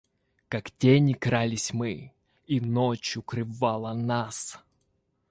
Как тени, крались мы, и ночь укрывала нас.